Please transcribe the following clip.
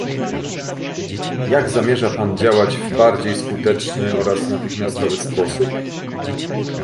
Jak zamierza pan działać w bardziej skuteczny oraz natychmiastowy sposób?